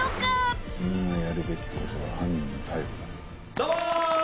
どうも。